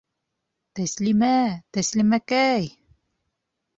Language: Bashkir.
Тәслимә, Тәслимәкәй!..